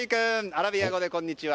アラビア語でこんにちは。